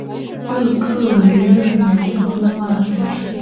厄克维勒人口变化图示